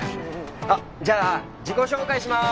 あっじゃあ自己紹介しまーす！